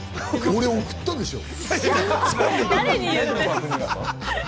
俺、送ったでしょう？